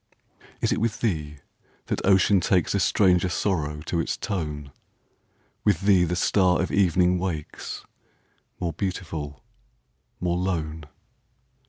Is it with thee that ocean takesA stranger sorrow to its tone? With thee the star of evening wakesMore beautiful, more lone?